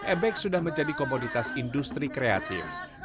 ebek sudah menjadi komoditas industri kreatif